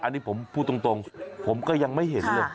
อันนี้ผมพูดตรงผมก็ยังไม่เห็นเลย